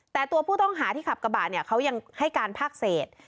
แต่ตัวผู้ต้องหาที่ขับกระบะเนี่ยเขายังให้การภาคเศษ